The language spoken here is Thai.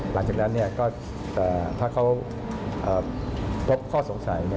หลังจากนั้นถ้าเขาพบข้อสงสัย